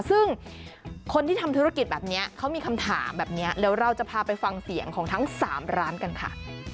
ซึ่งคนที่ทำธุรกิจแบบนี้เขามีคำถามแบบนี้เดี๋ยวเราจะพาไปฟังเสียงของทั้ง๓ร้านกันค่ะ